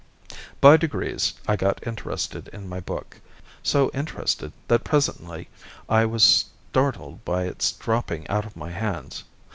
By degrees I got interested in my book, so interested that presently I was startled by its dropping out of my hands.